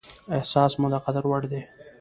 احساس مو د قدر وړ دى.